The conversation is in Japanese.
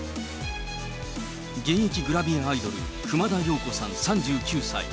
現役グラビアアイドル、熊田曜子さん３９歳。